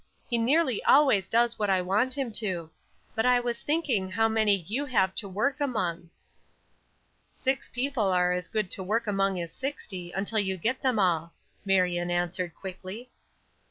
"He nearly always does what I want him to. But I was thinking how many you have to work among." "Six people are as good to work among as sixty, until you get them all," Marion answered, quickly.